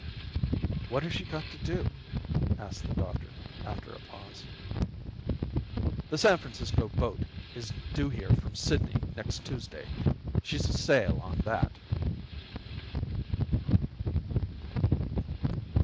"When has she got to go?" asked the doctor, after a pause. "The San Francisco boat is due here from Sydney next Tuesday. She's to sail on that."